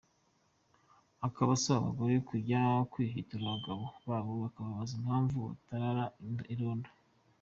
Akaba asaba abagore kujya bahwitura abagabo babo bakababaza impamvu batarara irondo.